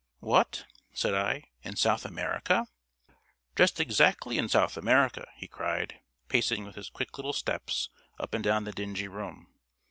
"What!" said I, "in South America?" "Just exactly in South America," he cried, pacing with his quick little steps up and down the dingy room.